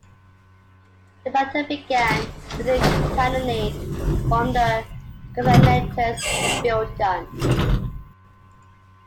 The battle began with a cannonade from the Covenanters field guns.